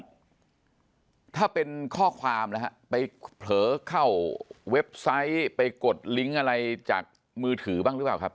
ถ้าเป็นข้อความนะฮะไปเผลอเข้าเว็บไซต์ไปกดลิงก์อะไรจากมือถือบ้างหรือเปล่าครับ